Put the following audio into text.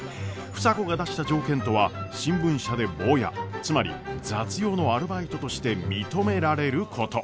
房子が出した条件とは新聞社でボーヤつまり雑用のアルバイトとして認められること。